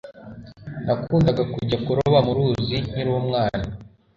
Nakundaga kujya kuroba mu ruzi nkiri umwana